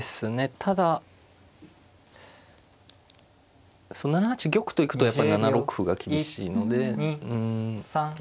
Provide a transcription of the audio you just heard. ただ７八玉と行くとやっぱり７六歩が厳しいのでうん７